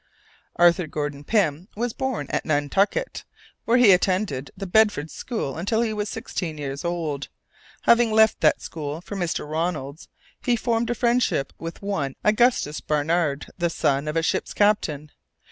Arthur Gordon Pym was born at Nantucket, where he attended the Bedford School until he was sixteen years old. Having left that school for Mr. Ronald's, he formed a friendship with one Augustus Barnard, the son of a ship's captain.